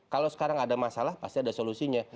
kalau sekarang ada masalah pasti ada solusinya